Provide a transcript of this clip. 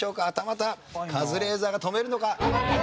はたまたカズレーザーが止めるのか？